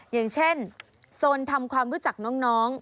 อย่างเช่นโซนทำความรู้จักน้อง